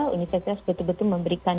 universitas betul betul memberikan